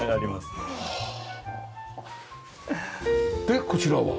でこちらは？